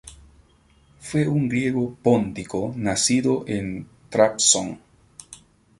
Fue un griego póntico nacido en Trabzon.